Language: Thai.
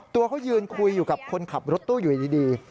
ตัวเขายืนคุยอยู่กับคนขับรถตู้อยู่ดี